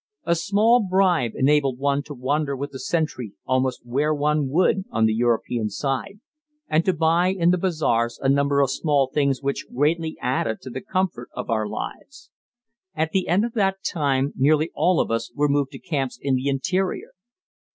A small bribe enabled one to wander with the sentry almost where one would on the European side, and to buy in the bazaars a number of small things which greatly added to the comfort of our lives. At the end of that time nearly all of us were moved to camps in the interior.